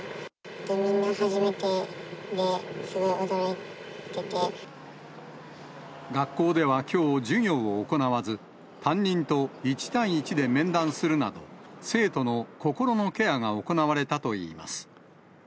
みんな初めてで、学校ではきょう、授業を行わず、担任と１対１で面談するなど、生徒の心のケアが行われたといいます。